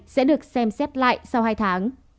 sẽ được xem xét lại sau hai tháng